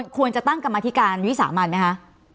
ควรจะตั้งกรรมธิการวิสามันไหมคะ